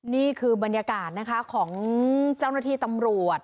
นี่คือบรรยากาศนะคะของเจ้าหน้าที่ตำรวจ